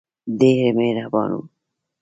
ډېر مهربان وو.